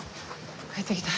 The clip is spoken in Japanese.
帰ってきた。